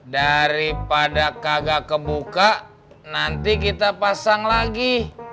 daripada kagak kebuka nanti kita pasang lagi